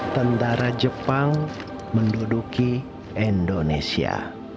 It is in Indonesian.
tentara jepang menduduki indonesia